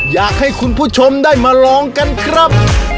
อยากให้คุณผู้ชมได้มาลองกันครับ